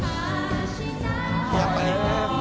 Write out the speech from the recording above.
「やっぱり！」